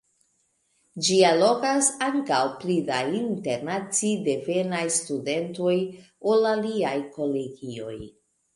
Ĝi allogas ankaŭ pli da internaci-devenaj studentoj ol aliaj kolegioj.